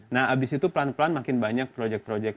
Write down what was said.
nah abis itu pelan pelan makin banyak projek projek